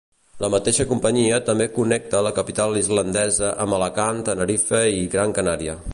La mateixa companyia també connecta la capital islandesa amb Alacant, Tenerife i Gran Canària.